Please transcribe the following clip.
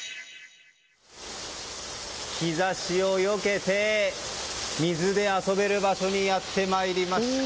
日差しをよけて水で遊べる場所にやってきました。